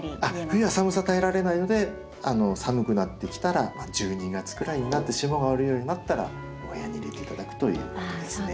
冬は寒さ耐えられないので寒くなってきたら１２月ぐらいになって霜が降りるようになったらお部屋に入れて頂くということですね。